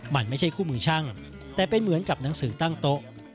มันไม่ใช่คู่มือช่างแต่เป็นเหมือนกับหนังสือตั้งโต๊ะ